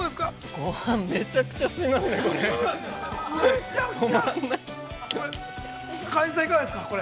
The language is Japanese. ◆ごはんめちゃくちゃ進みますねこれ。